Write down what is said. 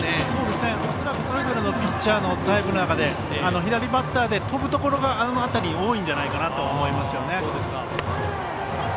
それぞれのピッチャーのタイプの中で左バッターで飛ぶところがあの辺りが多いんじゃないかなと思いますね。